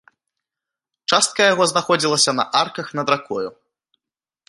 Частка яго знаходзілася на арках над ракою.